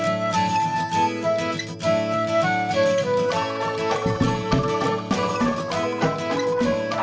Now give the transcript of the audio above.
ketemu sama otang